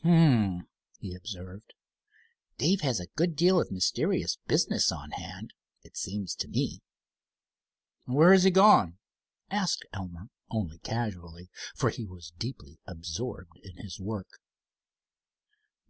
"H'm," he observed, "Dave has a good deal of mysterious business on hand, it seems to me." "Where has he gone?" asked Elmer only casually, for he was deeply absorbed in his work.